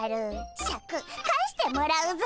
シャク返してもらうぞ！